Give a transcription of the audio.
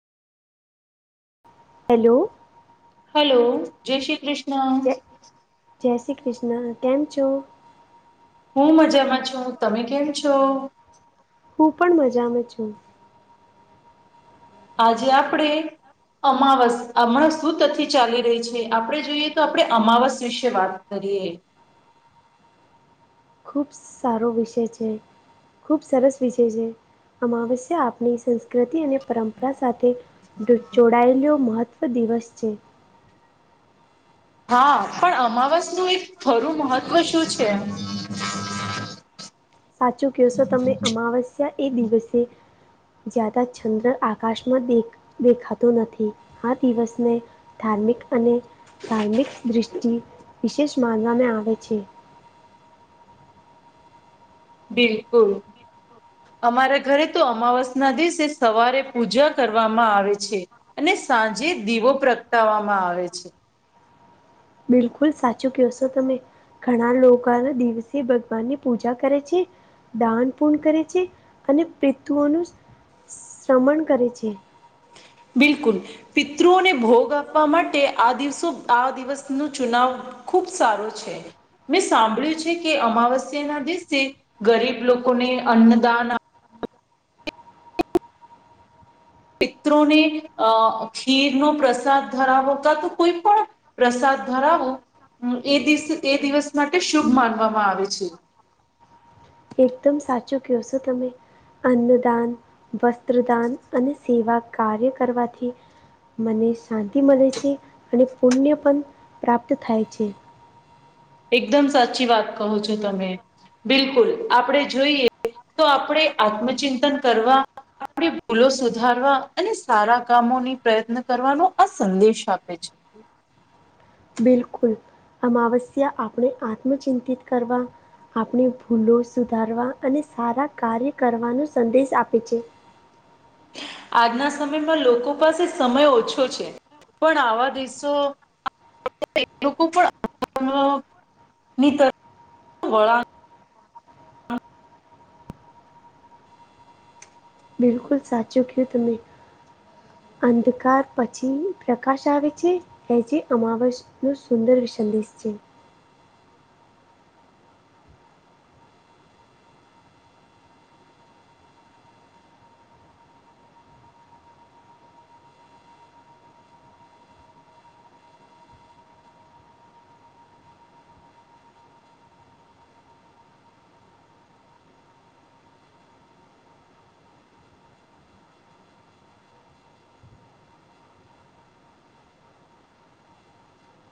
Hello, hello, જય શ્રી ક્રિષ્ન. જય જય શ્રી ક્રિષ્ના. કેમ છો? હું મજામાં છું. તમે કેમ છો? હું પણ મજામાં છું. આજે આપડે અમાવસ અમણાં શું તથી ચાલી રહી છે. આપણે જોઈએ તો, આપણે અમાવસ વિશે વાત કરીયે. ખુબ સારો વિષય છે. ખૂબ સરસ વિસેય છે. અમાવસ્યા આપણી સંસ્કૃતિ ને પરંપરા સાથે જોડાયેલુ મહત્વ દિવસ છે. હા પણ અમાવસ નું એક ખરૂ મહત્વ શું છે. સાચું કેવશો તમે અમાવસ્યા એ દિવસે જ્યાદા છંદ્ર આકાશમાં તે‌ દેખાતુ નથી આ દિવસને ધાર્મિક અને કાર્મિક દ્રિષ્ટિ વિશેષ માનઆમાં આવે છે. બિલકુલ. અમારા ઘરે તો અમાવસ ના દિસે સવારે પૂજા કરવામાં આવે છે. અને સાંજે જ દીવો પ્રગટાવવામાં આવે છે. બિલકુલ સાચું કહેશો તમે, ઘણા લોકો સવારે ભગવાન ની પૂજા કરે છે. દાન પૂર્ણય કરે છે અને પિતુઓનું શ્રમરણ કરે છે. બિલકુલ પિત્રુને ભોગ આપવાથી આપવા માટે આ દિવસનો‌ ચુનાવ ખુબ સારો છે. મેં સાંભળ્યું છે કે અમાવસ્યા ના દિવસે ગરીબ લોકોને અન્નદાન આપવામાં આવે છે. પિત્રોને ખીરનો પ્રસાદ ધરાવો કાતો કોઈ પણ પ્રસાદ ધરાવવુ એ દિવસ માટે શુભ માનવામાં આવે છે. એકદમ સાચું કહો છો તમે. અન્નદાન, વસ્ત્રદાન અને સેવા કાર્ય કરવાથી મનને શાંતિ મળે છે અને પુણ્ય કાયૅ પણ પ્રાપ્ત થાય છે. એકદમ સાચી વાત કહો છો તમે, બિલકુલ આપણે જોઈએ. તો આપણેે આત્મચિંતન કરવા જોઈએ. આપણી ભૂલો સુધારવા અને સારા કામોના પ્રયત્ન કરવાનો આ સંદેશ આપે છે. બિલકુલ, અમાવસ્યા આપણે આત્મચિંતિત કરવા. આપણે ભૂલો સુધારવા અને સારા કાર્ય કરવાનુ સંદેશ આપે છે. આજના સમયમાં લોકો પાસે સમય ઓછો હોય છે. પણ આવા દિવસો પાછા લોકોને પણ મળતા નથી. નિતળ ખોરાક. બિલકુલ, સાચો કે તમે. અંધકાર પછી પ્રકાશ આવે છે? હ, જે અમાવસ નું સુંદર સંદેશ છે.